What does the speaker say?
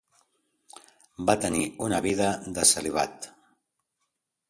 Va tenir una vida de celibat.